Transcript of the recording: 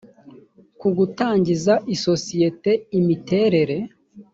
ku gutangiza isosiyete imiterere